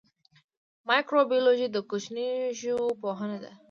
مایکروبیولوژي د کوچنیو ژویو پوهنه ده